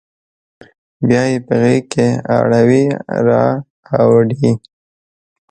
بیا یې په غیږ کې اړوي را اوړي